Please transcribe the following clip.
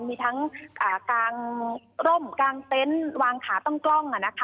มีทั้งกางคร่มกางเต็นต์วางขาตั้งกล้อง